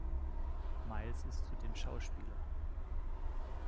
Miles ist zudem Schauspieler.